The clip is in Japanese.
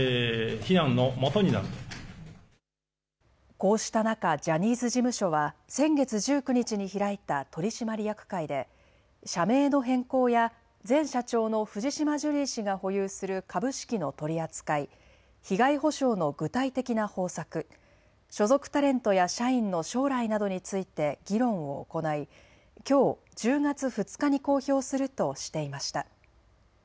こうした中、ジャニーズ事務所は先月１９日に開いた取締役会で、社名の変更や前社長の藤島ジュリー氏が保有する株式の取り扱い、被害補償の具体的な方策、所属タレントや社員の将来などについて議論を行い、きょう、１０月２日に公表するとしていました。